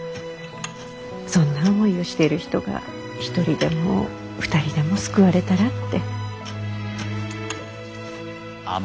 そんな思いをしている人が１人でも２人でも救われたらって。